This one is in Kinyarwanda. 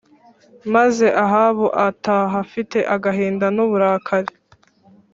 Maze Ahabu ataha afite agahinda n uburakari